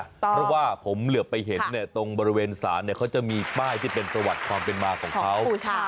เพราะว่าผมเหลือไปเห็นตรงบริเวณศาลเขาจะมีป้ายที่เป็นประวัติความเป็นมาของเขา